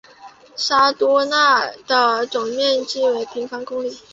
沙尔多讷的总面积为平方公里。